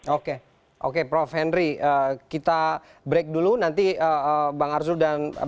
oke oke prof henry kita break dulu nanti bang arzul dan bang